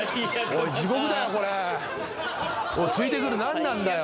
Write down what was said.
おいついてくる何なんだよ。